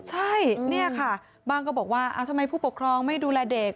ใช่นี่ค่ะบ้างก็บอกว่าทำไมผู้ปกครองไม่ดูแลเด็ก